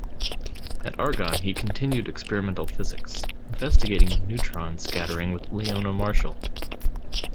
At Argonne he continued experimental physics, investigating neutron scattering with Leona Marshall.